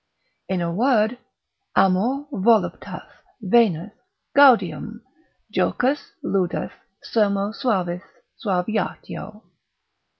In a word, Amor, voluptas, Venus, gaudium, Jocus, ludus, sermo suavis, suaviatio.